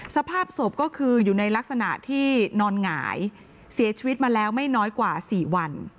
สภาพศพก็คืออยู่ในลักษณะที่นอนหงายเสียชีวิตมาแล้วไม่น้อยกว่า๔วัน